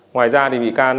ngoài ra bị can